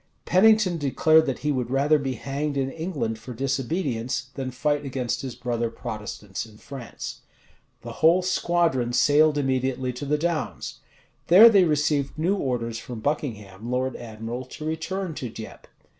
Pennington declared that he would rather be hanged in England for disobedience, than fight against his brother Protestants in France. The whole squadron sailed immediately to the Downs. There they received new orders from Buckingham, lord admiral, to return to Dieppe.